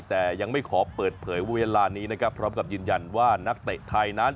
แต่ยังไม่ขอเปิดเผยว่าเวลานี้นะครับพร้อมกับยืนยันว่านักเตะไทยนั้น